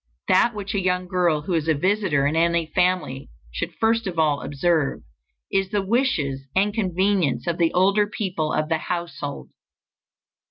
That which a young girl who is a visitor in any family should first of all observe, is the wishes and convenience of the older people of the household.